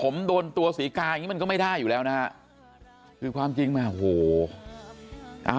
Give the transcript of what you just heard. มันก็ไม่ได้อยู่แล้วนะครับคือความจริงมากโอ้โห